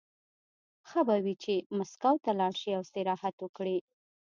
ښه به وي چې مسکو ته لاړ شي او استراحت وکړي